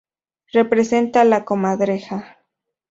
Representa la comadreja.